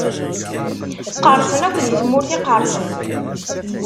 Qqersen akk di tmurt iqersen.